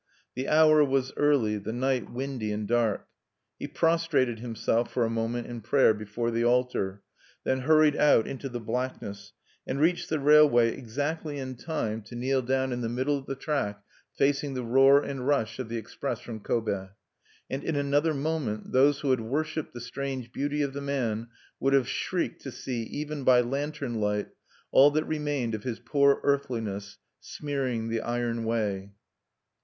The hour was early; the night windy and dark. He prostrated himself for a moment in prayer before the altar; then hurried out into the blackness, and reached the railway exactly in time to kneel down in the middle of the track, facing the roar and rush of the express from Kobe. And, in another moment, those who had worshiped the strange beauty of the man would have shrieked to see, even by lantern light, all that remained of his poor earthliness, smearing the iron way.